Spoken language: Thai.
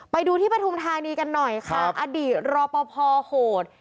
ไปดูที่ปฐุมธานีกันหน่อยค่ะอดีตรอปภโหด